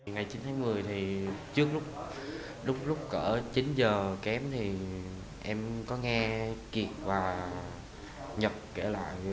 ngày chín tháng một mươi trước lúc cỡ chín giờ kém em có nghe kiệt và nhật kể lại